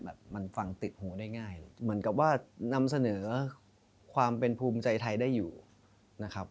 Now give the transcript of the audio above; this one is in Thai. แบบมันฟังติดหูได้ง่ายเลยเหมือนกับว่านำเสนอความเป็นภูมิใจไทยได้อยู่นะครับ